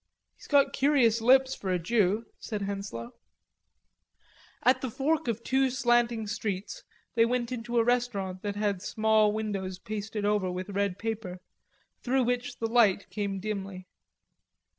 "He's got curious lips for a Jew," said Henslowe. At the fork of two slanting streets, they went into a restaurant that had small windows pasted over with red paper, through which the light came dimly.